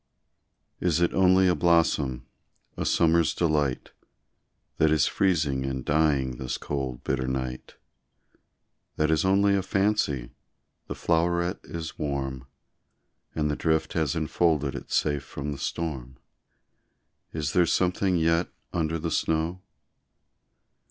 Is it only a blossom, a summer's delight, That is freezing and dying this cold, bitter night? That is only a fancy, the floweret is warm, And the drift has enfolded it safe from the storm Is there something yet under the snow?